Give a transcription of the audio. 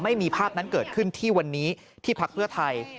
ไม่มีภาพนั้นเกิดขึ้นที่วันนี้ที่พักเพื่อไทย